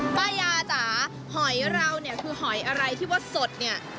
ป้ายาจ๋าหอยเราเนี่ยคือหอยอะไรที่ว่าสดเนี่ย